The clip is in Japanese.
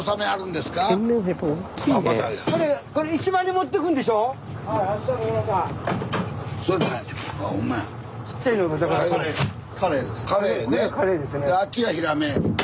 であっちがヒラメ。